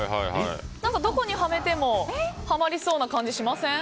どこにはめてもはまりそうな感じがしません？